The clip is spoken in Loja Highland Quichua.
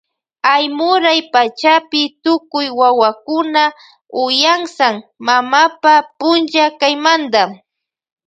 Aymuray pachapi tukuy wawakuna uyansan mamapa punlla kaymanta.